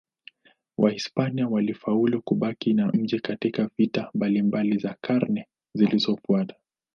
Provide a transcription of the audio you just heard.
Wahispania walifaulu kubaki na mji katika vita mbalimbali za karne zilizofuata.